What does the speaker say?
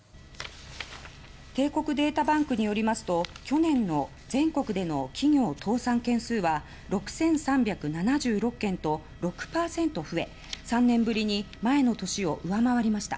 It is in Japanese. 帝国データバンクによりますと去年の全国での企業倒産件数は６３７６件と６％増え３年ぶりに前の年を上回りました。